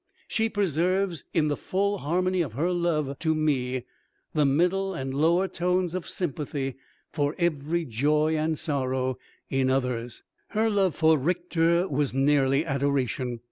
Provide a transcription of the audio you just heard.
She preserves in the full harmony of her love to me the middle and lower tones of sympathy for every joy and sorrow in others." Her love for Richter was nearly adoration.